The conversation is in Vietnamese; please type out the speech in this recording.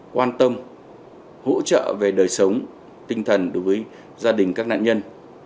quan tâm hỗ trợ về đời sống tinh thần đối với gia đình các nạn nhân